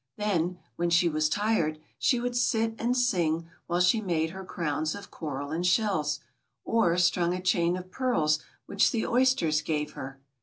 Then, when she was tired, she would sit and sing while she made her crowns of coral and shells, or strung a chain of pearls which the oysters gave her.